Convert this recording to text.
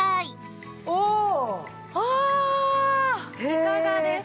いかがですか？